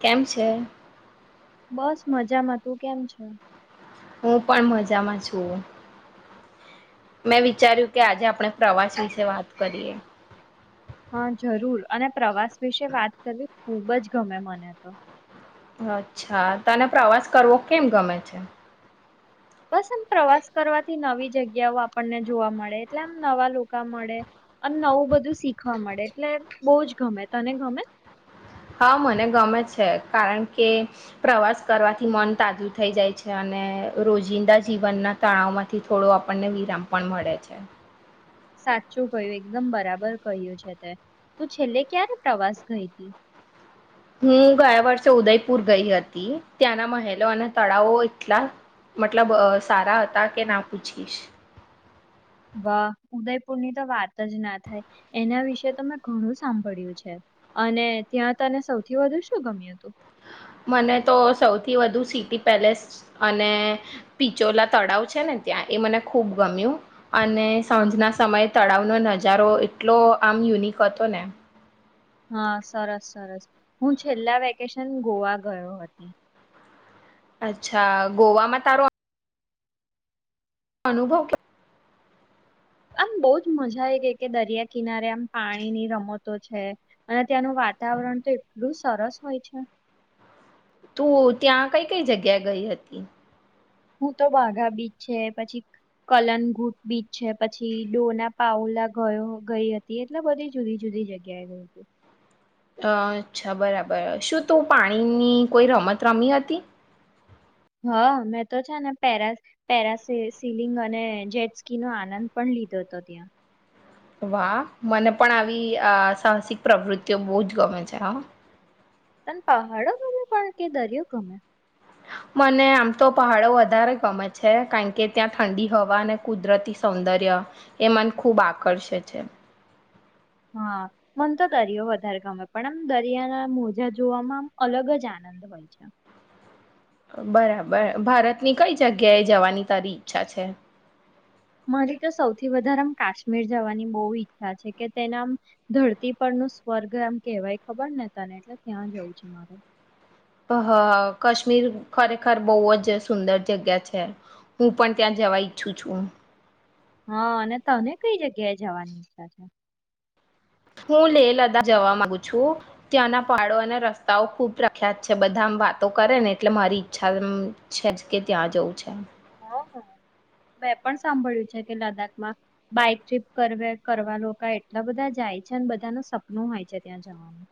કેમ છે. બસ મજામાં તું કેમ છે? હું પણ મજામાં છું મેં વિચાર્યું કે આજે આપણે પ્રવાસ વિશે વાત કરીએ હા જરૂર અને પ્રવાસ વિશે વાત કરવી ખૂબ જ ગમે મને તો. અચ્છા તને પ્રવાસ કરવો કેમ ગમે છે? બસ એમ પ્રવાસ કરવાથી નવી જગ્યાઓ આપણને જોવા મળે એટલે આમ નવા લોકો મળે, અને નવું બધું શીખવા મળે એટલે બહુ જ ગમે તને ગમે? હા મને ગમે છે કારણ કે, પ્રવાસ કરવાથી મન તાજું થઈ જાય છે અને રોજિંદા જીવનના તણાવ માંથી થોડો આપણને વિરામ પણ મળે છે. સાચું કયું એકદમ બરાબર કહ્યું છે તે, તું છેલ્લે ક્યારે પ્રવાસ ગઈ હતી? હું ગયા વર્ષે ઉદયપુર ગઈ હતી ત્યાંના મહેલો અને તળાવો એટલા મતલબ સારા હતા કે ના પૂછીશ. વાહ ઉદયપુરની તો વાત જ ના થાય, એના વિશે તો મેં ઘણું સાંભળ્યું છે, અને ત્યાં તને સૌથી વધુ શું ગમ્યું હતું? મને તો સૌથી વધુ સિટી પેલેસ અને, પિચોલા તળાવ છે ને ત્યાં એ મને ખૂબ ગમ્યું, અને સાંજના સમયે તળાવનો નજારો એટલો આમ યુનિક હતો ને. હા સરસ સરસ, હું છેલ્લા વેકેશન ગોવા ગયો હતો. અચ્છા ગોવામાં તારો અનુભવ આમ બહજ મજા આવી ગઈ કે દરિયા કિનારે આમ પાણીની રમતો છે, અને ત્યાંનું વાતાવરણ તો એટલું સરસ હોય છે. તું ત્યાં કઈ કઈ જગ્યા ગઈ હતી? હું તો વાઘા બીચ છે પછી કલનઘુટ બીચ છે પછી ડોના પઉલા ગયો ગઈ હતી એટલા બધી જુદી જુદી જગ્યાએ ગઈ હતી. અ અચ્છા બરાબર શું તું પાણીની કોઈ રમત રમી હતી? હા મેં તો છે ને પે પેરા સિલિંગ અને જેટસ્કી નનો આનંદ પણ લીધો હતો ત્યાં. વાહ મને પણ આવી આ સાહસિક પ્રવૃતિઓ બહુ જ ગમે છે હા. ત પહાડો ગમે પણ કે દરિયો ગમે? મને આમ તો પહાડો વધારે ગમે છે કારણ કે ત્યાં ઠંડી હવા અને કુદરતી સૌંદર્ય, એ મન ખૂબ આકર્ષે છે. હા મને તો દરિયો વધારે ગમે પણ આમ દરિયાના મોજા જોવામાં આમ અલગ જ આનંદ હોય છે. બરાબર ભારતની કઈ જગ્યાએ જવાની તારી ઈચ્છા છે? મારી તો સૌથી વધારે આમ કાશ્મીર જવાની બહુ ઈચ્છા છે કે તેનામ, ધરતી પર ન સ્વર્ગ આમ કહેવાય ખબર ને તને એટલે ત્યાં જવું છે મારે. કાશ્મીર ખરેખર બહુ જ સુંદર જગ્યા છે, હું પણ ત્યાં જવા ઈચ્છું છું. હા અને તને કઈ જગ્યાએ જવાની ઈચ્છા છે? હું લેહ લદા જવા માંગુ છું, ત્યાંના પડો અને રસ્તાઓ ખુબ પ્રખ્યાત છે બધા આમ વાતો કરે ને એટલે મારી ઈચ્છા છે જ કે ત્યાં જવું છે. હ હ, મેં પણ સાંભળ્યું છે કે લદ્દાખમાં બાઈક ટ્રીપ કરવા લોકો એટલા બધા જાય છે અને બધા ન સપનું હોય છે ત્યાં જવાનું.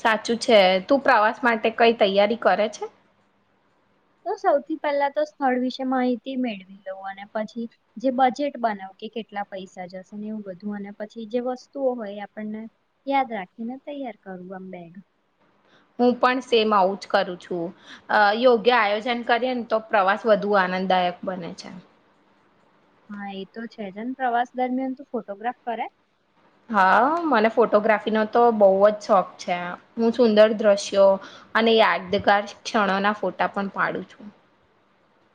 સાચું છે તું પ્રવાસ માટે કઈ તૈયારી કરે છે? તો સૌથી પહેલા તો સ્થળ વિશે માહિતી મેળવી લઉવ અને પછી, જે બજેટ બનાવ કે કેટલા પૈસા જશે ને એવું બધું અને પછી જે વસ્તુઓ હોય એ આપણને યાદ રાખીને તૈયાર કરું આમ બેગ. હું પણ સેમ આવું જ કરું છું, યોગ્ય આયોજન કરીએ ને તો પ્રવાસ વધુ આનંદદાયક બને છે. હા એ તો છે જ ને પ્રવાસ દરમિયાન તું ફોટોગ્રાફ કરે? હા મને ફોટોગ્રાફીનો તો બહુ જ શોખ છે હું સુંદર દ્રશ્યો, અને યાદગાર ક્ષણોના ફોટા પણ પાડું છું.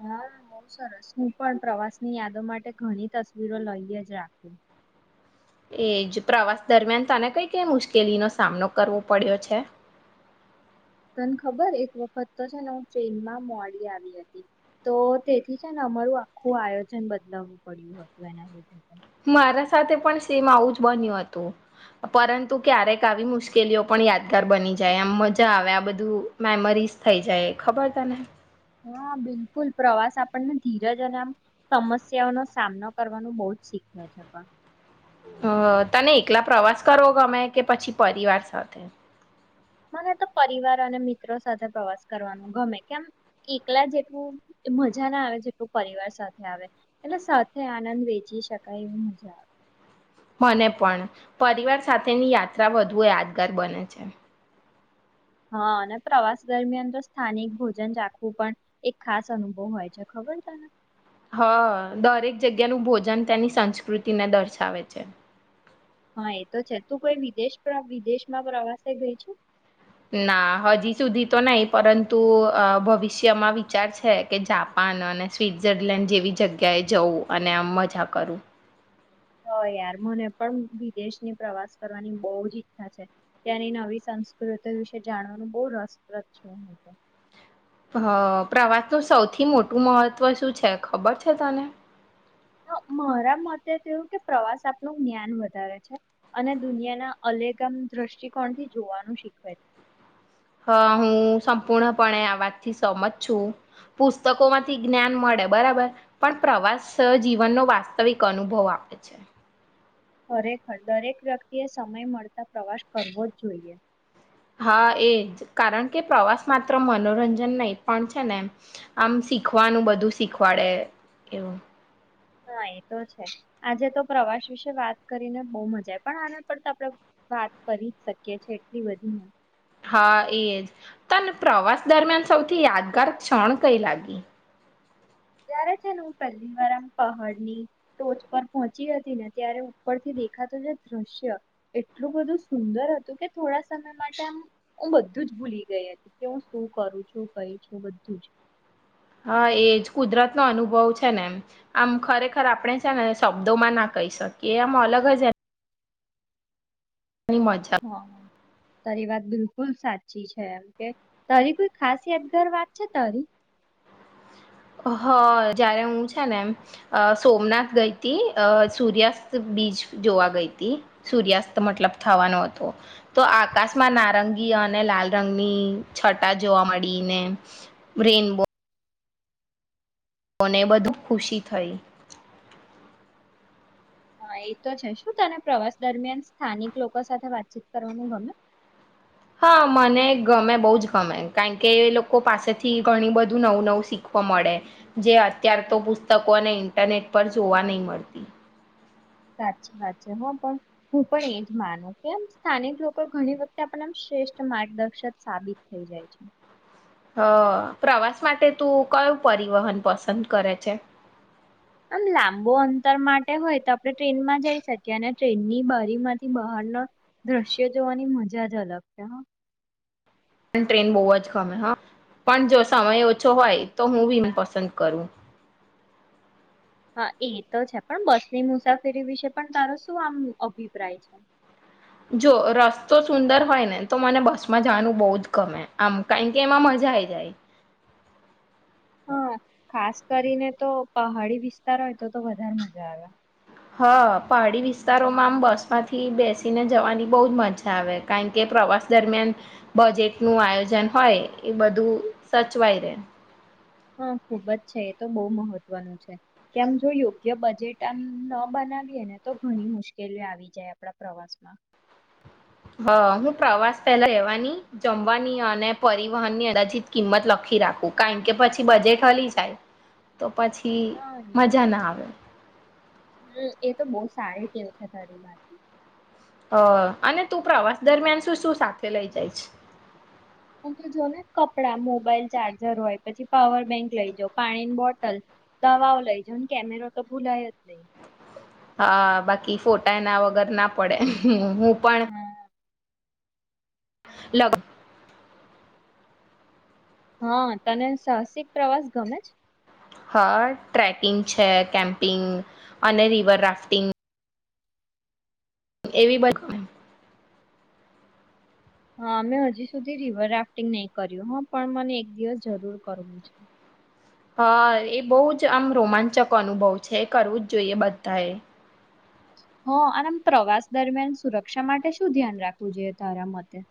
હા બહ સરસ હું પણ પ્રવાસની યાદો માટે ઘણી તસવીરો લઈએ જ રાખું. એજ પ્રવાસ દરમિયાન તને કઈ કઈ મુશ્કેલીનો સામનો કરવો પડ્યો છે? તને ખબર એક વખત તો છે ને હું ટ્રેનમાં મોડી આવી હતી, તો તેથી છે ને અમારું આખું આયોજન બદલાવવું પડ્યું હતું એના લીધે. મારા સાથે પણ સેમ આવું જ બન્યું હતું, પરંતુ ક્યારેક આવી મુશ્કેલીઓ પણ યાદગાર બની જાય આમ મજા આવે આ બધું મેમરીઝ થઈ જાય ખબર તને. હા બિલકુલ પ્રવાસ આપણને ધીરજ અને આમ સમસ્યાઓનો સામનો કરવાનું બહ જ શીખવે છે પણ. હ તને એકલા પ્રવાસ કરવો ગમે કે પછી પરિવાર સાથે? મને તો પરિવાર અને મિત્રો સાથે પ્રવાસ કરવાનું ગમે કેમ એકલા જેટલું મજા ના આવે જેટલું પરિવાર સાથે આવે, એટલે સાથે આનંદ વેચી શકાય એવું મજા આવે. મને પણ, પરિવાર સાથેની યાત્રા વધુ યાદગાર બને છે. હા અને પ્રવાસ દરમિયાન તો સ્થાનિક ભોજન રાખવું પણ એક ખાસ અનુભવ હોય છે ખબર તને. હ દરેક જગ્યાનું ભોજન તેની સંસ્કૃતિને દર્શાવે છે. હા એ તો છે તું કોઈ વિદેશ વિદેશમાં પ્રવાસે ગઈ છું? ના હજી સુધી તો નહી પરંતુ ભવિષ્યમાં વિચાર છે કે જાપાન અને સ્વટ્ઝરલેન્ડ જેવી જગ્યાએ જવું અને આમ મજા કરું. હ યાર મને પણ વિદેશની પ્રવાસ કરવાની બહુ જ ઈચ્છા છે, ત્યાંની નવી સંસ્કૃતિ વિશે જાણવાનું બહ રસપ્રદ છ હું તો. હ પ્રવાસનું સૌથી મોટું મહત્ત્વ શું છે ખબર છે તને? મારા મતે તેવું કે પ્રવાસ આપનું જ્ઞાન વધારે છે, અને દુનિયાના અલેગમ દ્રષ્ટિકોણથી જોવાનું શીખવે છે. હા હું સંપૂર્ણપણે આ વાતથી સમજ છું, પુસ્તકો માંથી જ્ઞાન મળે બરાબર, પણ પ્રવાસ જીવનનો વાસ્તવિક અનુભવ આપે છે. ખરેખર દરેક વ્યક્તિએ સમય મળતા પ્રવાસ કરવો જ જોઈએ. હા એજ કારણ કે પ્રવાસ માત્ર મનોરંજન નહી પણ છે ને, આમ શીખવાનું બધું શીખવાડે એવું. હા એ તો છે, આજે તો પ્રવાસ વિશે વાત કરીને બહુ મજા પણ આને પર તો આપડણે વાત કરી જ શકીએએ એટલી બધીને. હા એજ તમને પ્રવાસ દરમિયાન સૌથી યાદગાર ક્ષણ કઈ લાગી? જ્યારે છે ને હું પહેલી વાર આમ પહાડની ટોચ પર પહોંચી હતી ને ત્યારે ઉપરથી દેખાતું એ દ્રશ્ય એટલું બધું સુંદર હતું કે થોડા સમય માટે આમ હું બધું જ ભૂલી ગઈ હતી કે હું શું કરું છું કઈ છું બધું જ. હા એજ કુદરત નો અનુભવ છે ને એમ આમ ખરેખર આપણે છે ને શબ્દો માં ના કહી શક કે આમ અલગ જ એ ઘની મજા. હા તારી વાત બિલકુલ સાચી છે એમ કે તારી કોઈ ખાસ યાદગાર વાત છે તારી. હ જયારે હું છે ને અ સોમનાથ ગઈ હતી અ સૂર્યાસ્ત બીચ જોવા ગઈ તી સૂર્યાસ્ત મતલબ થવાનો હતો તો આકાશમાં નારંગી અને લાલ રંગની છટા જોવા મળીને રેનબો મને બધું ખુશી થઈ. હા એ તો છે શું તને પ્રવાસ દરમિયાન સ્થાનિક લોકો સાથે વાતચીત કરવાનું ગમે? હા મને ગમે બહુ જ ગમે કારણ કે એ લોકો પાસેથી ઘણી બધું નવું નવું શીખવા મળે જે અત્યાર તો પુસ્તકો ને ઇન્ટરનેટ પર જોવા નઈ મળતી. સાચી વાત છે હ પણ હું પણ એજ માનું કેમ સ્થાનિક લોકો ઘણી વખતે આપડે એમ શ્રેષ્ઠ માર્ગદર્શક સાબિત થઈ જાય છે. હ પ્રવાસ માટે તું કયું પરિવહન પસંદ કરે છે? આમ લાંબો અંતર માટે હોય તો આપડે ટ્રેનમાં જઈ શકીએ અને ટ્રેનની બારીમાંથી બહારના દ્રશ્યો જોવાની મજા જ અલગ છે હા. પણ ટ્રેન બહુ જ ગમે હા પણ જો સમય ઓછો હોય તો હું ની મેં પસંદ કરું. હા એ તો છે પણ બસની મુસાફરી વિશે પણ તારો શું આમ અભિપ્રાય છે જો રસ્તો સુંદર હોય ને તો મને બસમાં જવાનું બહુ જ ગમે આમ કારણ કે એમાં મજા આઈ જાય હા ખાસ કરીને તો પહાડી વિસ્તાર હોય તો તો વધારે મજા આવે. હા પહાડી વિસ્તારોમાં આમ બસમાંથી બેસીને જવાની બઉ જ મજા આવે કારણ કે પ્રવાસ દરમિયાન બજેટ નું આયોજન હોય એ બધું સચવાય રહેે. હા ખુબ જ છે એ તો બહુ મહત્વનું છે કેમ યોગ્ય બજેટ આમ ન બનાવીએ ને તો ઘણી મુશ્કેલીઓ આવી જાય આપડા પ્રવાસમાં. અ હું પ્રવાસ પહેલા રહેવાની જમવાની અને પરિવહન ની અંદાજિત કિંમત લખી રાખું કારણ કે પછી બજેટ હાલી જાય તો પછી હા એ મજા ના આવે. હમ એ તો બહુ સારી ટેવ છે તારીમાંથી હ અને તું પ્રવાસ દરમિયાન શું શું સાથે લઇ જાય છે? પણ તો જો ને કપડા મોબાઈલ ચાર્જર હોય પછી પાવર બેંક લઈ જા પાણીની બોટલ દવાઓ લઈ જા કેમેરો તો ભૂલાય જ નઈ. હા બાકી ફોટા એ ના વગર ના પડે હું. પણ હા લગ હા તને સાહસિક પ્રવાસ ગમે છે? હા ટ્રેકિંગ છે કેમ્પિંગ અને રિવર રાફ્ટિંગ એવી બક હોય હા મેમ હજી સુધી રિવર રાફ્ટિંગ નહી કર્યું હ પણ મને એક દિવસ જરૂર કરવું છે. હા એ બહુ જ આમ રોમાંચક અનુભવ છે એ કરવું જ જોઈએ બધા એ. હ અને પ્રવાસ દરમિયાન સુરક્ષા માટે શું ધ્યાન રાખવું જોઈએ તારા મતે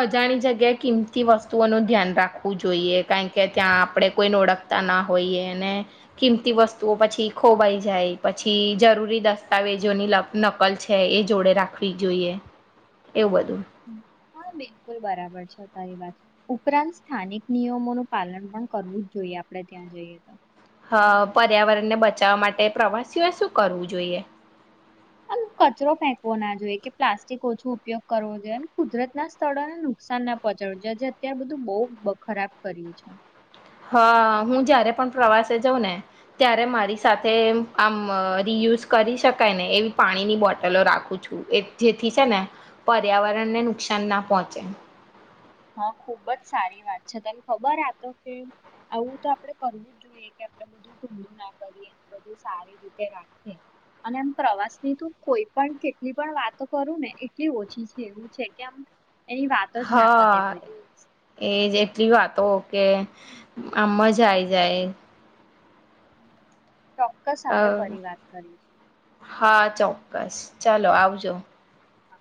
અજાણી જગ્યાએ કિંમતી વસ્તુઓ નું ધ્યાન રાખવું જોઈએ કારણ કે ત્યાં આપડે કોઈને ઓળખતા ના હોઈએ અને કિંમતી વસ્તુઓ પછી ખોવાઈ જાય પછી જરૂરી દસ્તાવેજોની નકલ છે એ જોડે રાખવી જોઈએ એ બધ હમ. હા બિલકુલ બરાબર છે તારી વાત ઉપરાંત સ્થાનિક નિયમોનું પાલન પણ કરવું જ જોઈએ આપડે ત્યાં જઈએ તો. અ પર્યાવરણ ને બચાવવા માટે પ્રવાસીઓ શું કરવું જોઈએ? અને કચરો ફેંકવો ના જોઈએ કે પ્લાસ્ટિક ઓછો ઉપયોગ કરવો જોઈએ અને કુદરત ના સ્થળોને નુકસાન ના પહોંચાવું જોઈએ જે જે અત્યારે બધું બહુ ખરાબ કર્યું છે. હા હું જ્યારે પણ પ્રવાસે જાઉં ને ત્યારે મારી સાથે આમ રિયુઝ કરી શકાય ને એવી પાણીની બોટલો રાખું છું જેથી છે ને પર્યાવરણને નુકસાન ના પહોંચે. હા ખુબ જ સારી વાત છે તને ખબર આ તો કે આવું તો આપડે કરવું જ જોઈએ કે આપડે બધું ગંદુ ના કરીએ બધું સારી રીતે રાખીએ અને એમ પ્રવાસ ની તો કોઈ પણ કેટલી પણ વાતો કરું ને એટલી ઓછી છે એવું છે કે આમ એની વાતો જ ના પતેે. એ જેટલી વાતો કે આમ મજા આઈ જાય. હમ [inaudible] ચોક્કસ અ આપણે ફરી વાત કરીશું હા ચોક્કસ ચાલો આવજો હા.